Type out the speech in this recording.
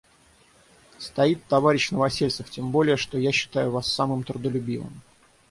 Стоит, товарищ Новосельцев, тем более, что я считаю Вас самым трудолюбивым.